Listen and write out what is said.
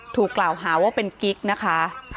ถูกกล่าวหาว่าเป็นกิ๊กนะคะ